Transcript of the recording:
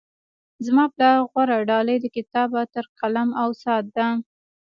زما لپاره غوره ډالۍ د کتاب، عطر، قلم او ساعت ده.